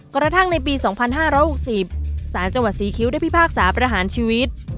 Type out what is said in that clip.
ก็ระทั่งในปีสองพันห้าร้อยหกสิบสารจังหวัดซีคิ้วได้พิพากษาประหารชีวิต